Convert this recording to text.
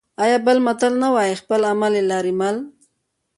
آیا بل متل نه وايي: خپل عمل د لارې مل؟